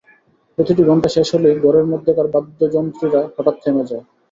প্রতিটি ঘণ্টা শেষ হলেই ঘরের মধ্যেকার বাদ্যযন্ত্রীরা হঠাৎ থেমে যায়।